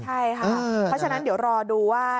ใช่ค่ะเพราะฉะนั้นเดี๋ยวรอดูว่า